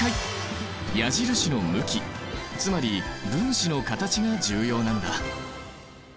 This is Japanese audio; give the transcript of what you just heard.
矢印の向きつまり分子の形が重要なんだ。